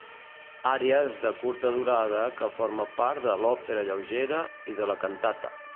Àries de curta durada que forma part de l'òpera lleugera i de la cantata.